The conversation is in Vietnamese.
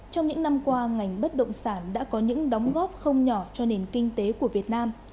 trong những năm qua ngành bất động sản đã có những đóng góp không nhỏ cho nền kinh tế của việt nam